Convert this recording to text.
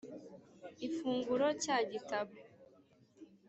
ifunguro cya gitabo